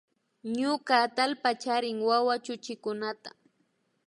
Ñuka atallpa charin wawa chuchikunata